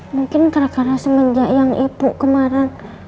mungkin karena semenjak yang ibu kemarin